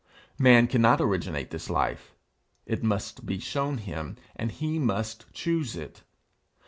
Man cannot originate this life; it must be shown him, and he must choose it.